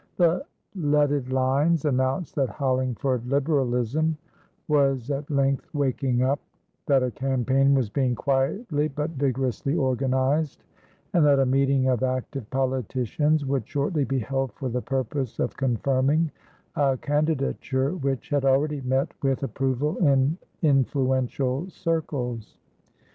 The leaded lines announced that Hollingford Liberalism was at length waking up, that a campaign was being quietly but vigorously organised, and that a meeting of active politicians would shortly be held for the purpose of confirming a candidature which had already met with approval in influential circles.